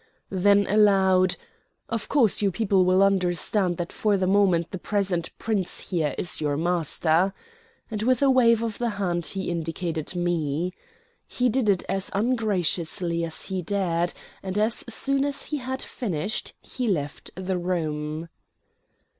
Then aloud, "Of course you people will understand that for the moment the present Prince here is your master," and with a wave of the hand he indicated me. He did it as ungraciously as he dared, and as soon as he had finished he left the room.